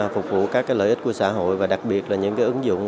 phục vụ các lợi ích của xã hội và đặc biệt là những ứng dụng